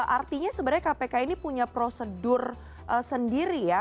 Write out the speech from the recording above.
artinya sebenarnya kpk ini punya prosedur sendiri ya